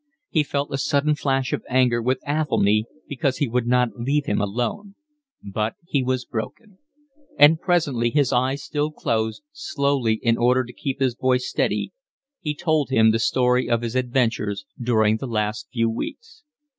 He felt a sudden flash of anger with Athelny because he would not leave him alone; but he was broken; and presently, his eyes still closed, slowly in order to keep his voice steady, he told him the story of his adventures during the last few weeks.